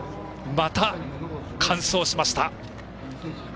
また、完走しました。